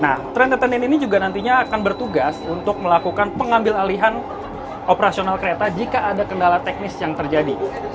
nah trend attain ini juga nantinya akan bertugas untuk melakukan pengambil alihan operasional kereta jika ada kendala teknis yang terjadi